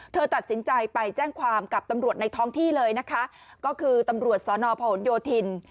เธอตัดสินใจไปแจ้งความกับตำรวจในท้องที่เลยนะคะก็คือตำรวจสอนอพหนโยธิน